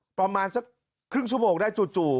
ประมาณสักครึ่งชั่วโมงได้จู่